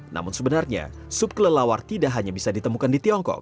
namun sebenarnya sup kelelawar tidak hanya bisa ditemukan di tiongkok